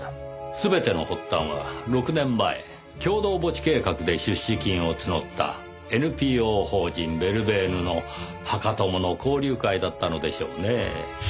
全ての発端は６年前共同墓地計画で出資金を募ったＮＰＯ法人ヴェルベーヌの墓友の交流会だったのでしょうねぇ。